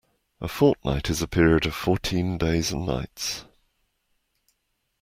A fortnight is a period of fourteen days and nights